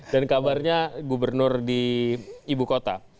dan kabarnya gubernur di ibu kota